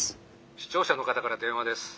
☎視聴者の方から電話です。